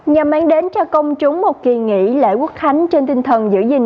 nhằm mang đến cho công chúng một kỳ nghỉ lễ quốc khánh trên tinh thần giữ gìn